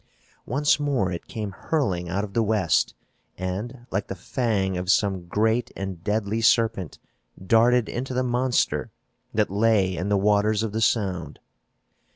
Once more, it came hurling out of the west and, like the fang of some great and deadly serpent, darted into the monster that lay in the waters of the Sound.